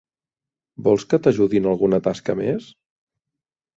Vols que t'ajudi en alguna tasca més?